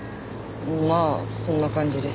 まあそんな感じです。